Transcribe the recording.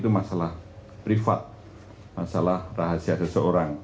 itu masalah privat masalah rahasia seseorang